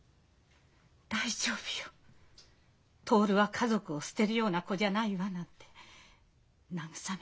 「大丈夫よ徹は家族を捨てるような子じゃないわ」なんて慰めて。